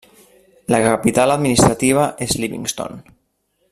La capital administrativa és Livingston.